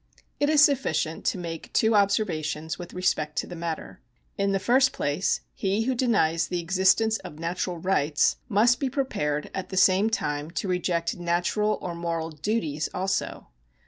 It is sufficient to make two observations with respect to the matter. In the first place, he who denies the existence of natural rights must be prepared at the same time to reject natural or moral duties also.